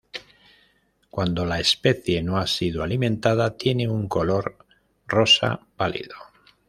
Cuándo la especie no ha sido alimentada tiene un color rosa pálido.